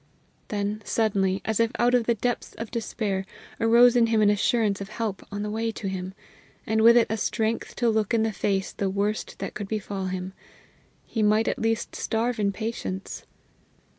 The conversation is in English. Then, suddenly, as if out of the depths of despair, arose in him an assurance of help on the way to him, and with it a strength to look in the face the worst that could befall him; he might at least starve in patience.